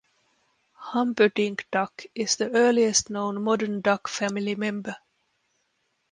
Humperdink Duck is the earliest known modern Duck family member.